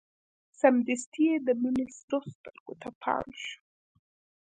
سمدستي يې د مينې سرو سترګو ته پام شو.